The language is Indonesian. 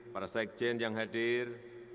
para sekjen yang hadir